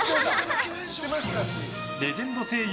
レジェンド声優